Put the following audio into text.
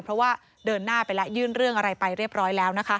เพราะว่าเดินหน้าไปแล้วยื่นเรื่องอะไรไปเรียบร้อยแล้วนะคะ